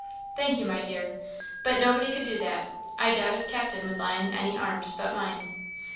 "Thank you, my dear, but nobody could do that; I doubt if Captain would lie in any arms but mine."